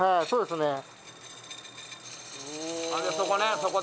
そうですね。